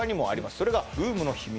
それがブームの秘密